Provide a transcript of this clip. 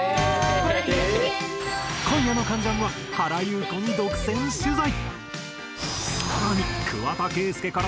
今夜の『関ジャム』は原由子に独占取材。